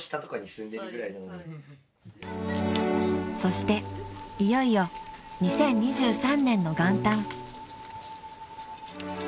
［そしていよいよ２０２３年の元旦］